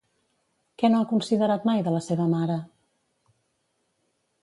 Què no ha considerat mai de la seva mare?